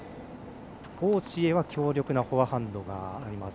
王紫瑩は強力なフォアハンドがあります。